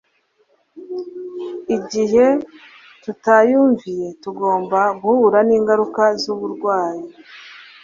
igihe tutayumviye tugomba guhura n'ingaruka z'uburwayi